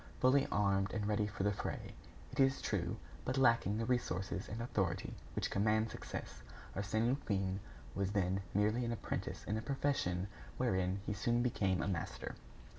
Fully armed and ready for the fray, it is true, but lacking the resources and authority which command success, Arsène Lupin was then merely an apprentice in a profession wherein he soon became a master.